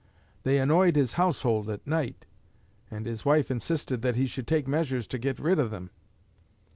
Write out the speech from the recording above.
They annoyed his household at night, and his wife insisted that he should take measures to get rid of them.